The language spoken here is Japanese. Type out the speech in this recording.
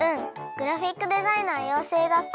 グラフィックデザイナー養成学校